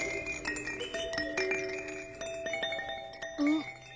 ん？